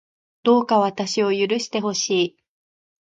どうか私を許してほしい